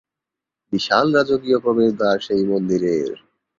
বিশাল রাজকীয় প্রবেশদ্বার সেই মন্দিরের।